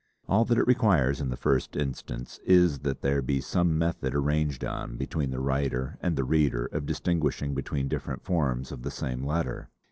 All that it requires in the first instance is that there be some method arranged on between the writer and the reader of distinguishing between different forms of the same letter.